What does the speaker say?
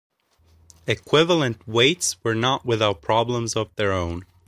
Equivalent weights were not without problems of their own.